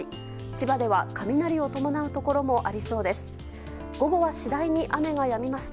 千葉では雷を伴うところもありそうです。